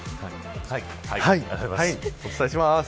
お伝えします。